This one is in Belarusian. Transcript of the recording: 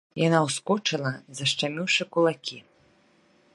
Яна ўскочыла, сашчаміўшы кулакі.